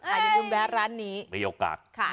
ถ้ายังไม่รู้แบบร้านนี้มีโอกาส